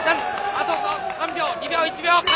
あと３秒２秒１秒鐘！